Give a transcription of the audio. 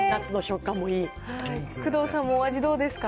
工藤さんもお味どうですか。